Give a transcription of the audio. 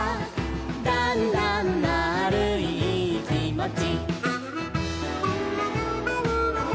「だんだんまぁるいいいきもち」